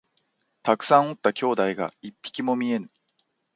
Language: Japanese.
たくさんおった兄弟が一匹も見えぬ